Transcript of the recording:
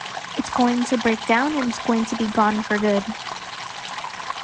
It's going to break down and its going to be gone for good.